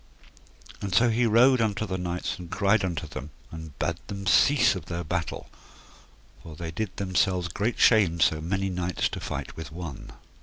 And so he rode unto the knights and cried unto them, and bade them cease of their battle, for they did themselves great shame so many knights to fight with one.